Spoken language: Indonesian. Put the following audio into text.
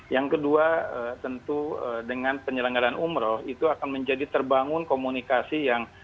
yang kedua tentu dengan penyelenggaran umroh itu akan menjadi terbangun komunikasi yang